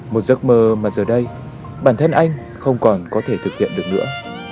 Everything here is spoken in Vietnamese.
một giấc mơ mà giờ đây bản thân anh không còn có thể thực hiện được nữa